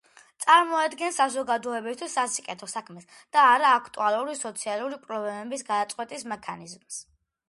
წარმოადგენს საზოგადოებისათვის სასიკეთო საქმეს და აქტუალური სოციალური პრობლემების გადაწყვეტის მექანიზმს.